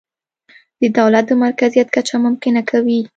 د دولت د مرکزیت کچه ممکنه کوي.